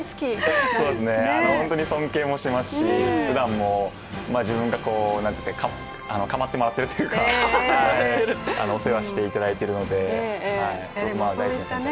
そうですね、本当に尊敬もしていますしふだんも自分が構ってもらってるというかお世話していただいているので、大好きですね。